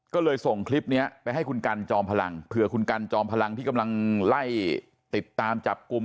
ก็เลยส่งคลิปนี้ไปให้คุณกันจอมพลังเผื่อคุณกันจอมพลังที่กำลังไล่ติดตามจับกลุ่ม